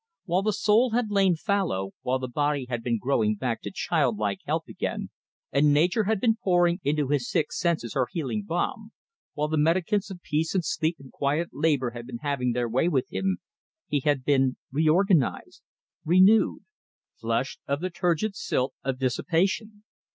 While the soul had lain fallow, while the body had been growing back to childlike health again, and Nature had been pouring into his sick senses her healing balm; while the medicaments of peace and sleep and quiet labour had been having their way with him, he had been reorganised, renewed, flushed of the turgid silt of dissipation.